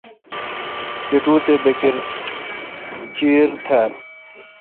کٹو تے بکر چیر تھال ۔